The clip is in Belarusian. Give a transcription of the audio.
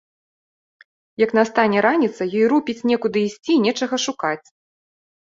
Як настане раніца, ёй рупіць некуды ісці, нечага шукаць.